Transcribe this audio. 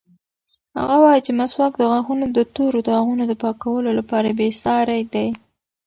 هغه وایي چې مسواک د غاښونو د تورو داغونو د پاکولو لپاره بېساری دی.